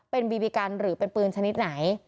เป็นบีบีกันหรือเป็นปืนชนิดไหน